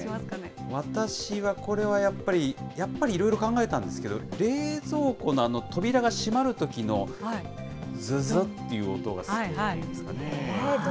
私はこれはやっぱり、やっぱりいろいろ考えたんですけど、冷蔵庫の扉が閉まるときのずずっていう音が好きですかね。